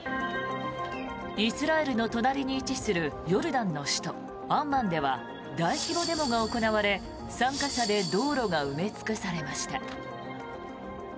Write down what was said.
イスラエルの隣に位置するヨルダンの首都アンマンでは大規模デモが行われ、参加者で道路が埋め尽くされました。